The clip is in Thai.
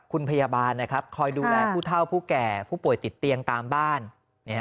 คุณพยาบาลนะครับคอยดูแลผู้เท่าผู้แก่ผู้ป่วยติดเตียงตามบ้าน